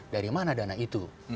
dari mana dana itu